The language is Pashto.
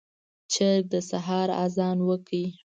چرګ د سحر اذان وکړ.